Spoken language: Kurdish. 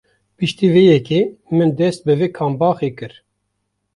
Piştî vê yekê min dest bi vê kambaxê kir!.